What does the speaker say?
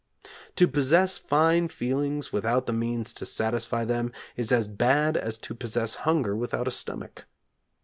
To possess fine feelings without the means to satisfy them is as bad as to possess hunger without a stomach.